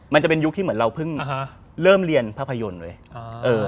มันจะเป็นยุคที่เหมือนเราเพิ่งเริ่มเรียนภาพยนตร์เว้ย